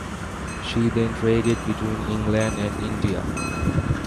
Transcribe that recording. She then traded between England and India.